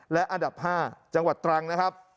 และอันดับ๕จังหวัดตรังนะครับ